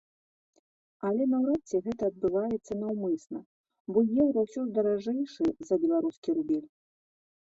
Але наўрад ці гэта адбываецца наўмысна, бо еўра ўсё ж даражэйшы за беларускі рубель.